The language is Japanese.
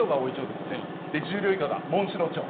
で十両以下がモンシロチョウ。